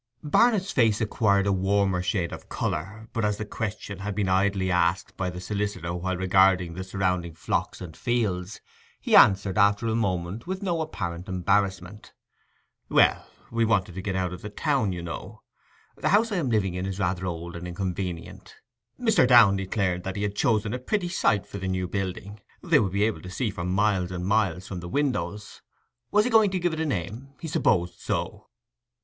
Barnet's face acquired a warmer shade of colour; but as the question had been idly asked by the solicitor while regarding the surrounding flocks and fields, he answered after a moment with no apparent embarrassment— 'Well, we wanted to get out of the town, you know: the house I am living in is rather old and inconvenient.' Mr. Downe declared that he had chosen a pretty site for the new building. They would be able to see for miles and miles from the windows. Was he going to give it a name? He supposed so.